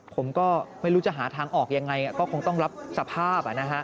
ผมก็ไม่รู้จะหาทางออกยังไงก็คงต้องรับสภาพ